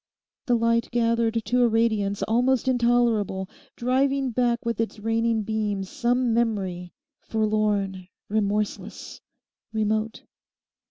The light gathered to a radiance almost intolerable, driving back with its raining beams some memory, forlorn, remorseless, remote.